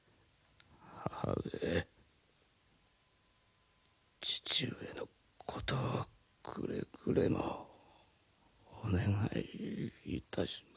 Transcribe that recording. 母上父上のことをくれぐれもお願いいたします。